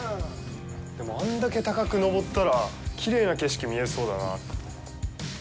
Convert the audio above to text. でも、あれだけ高く登ったらきれいな景色、見えそうだなぁ。